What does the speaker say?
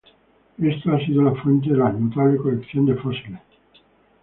Esto ha sido la fuente de la notable colección de fósiles.